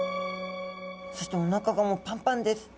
そしておなかがもうパンパンです。